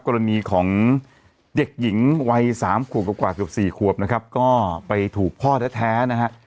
กรณีของเด็กหญิงวัยสามขวบกว่าเกือบสี่ขวบนะครับก็ไปถูกพ่อแท้นะฮะ